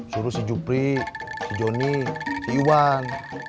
suruh si jupri si joni iwan